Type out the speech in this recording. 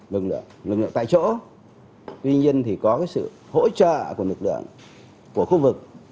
lực lượng tại chỗ tuy nhiên thì có sự hỗ trợ của lực lượng của khu vực